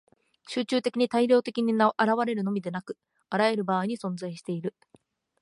集中的に大量的に現れるのみでなく、あらゆる場合に存在している。